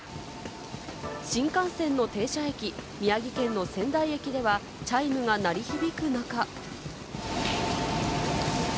新幹線の停車駅、宮城県の仙台駅ではチャイムが鳴り響く中。